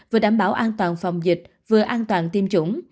vừa đảm bảo an toàn phòng dịch vừa an toàn tiêm chủng